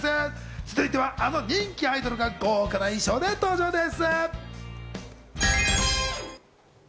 続いては、あの人気アイドルが豪華な衣装で登場です。